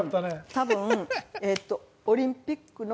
多分オリンピックの！？